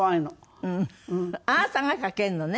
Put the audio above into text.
あなたがかけるのね？